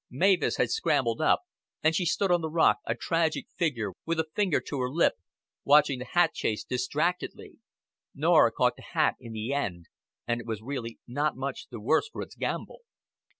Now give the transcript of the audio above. Mavis had scrambled up; and she stood on the rock, a tragic figure, with a finger to her lip, watching the hat chase distractedly. Norah caught the hat in the end, and it was really not much the worse for its gambol.